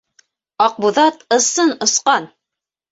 Аҡбуҙат ысын осҡан!